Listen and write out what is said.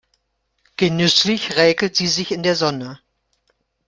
Genüsslich räkelt sie sich in der Sonne.